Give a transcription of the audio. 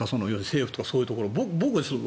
政府とかそういうところ。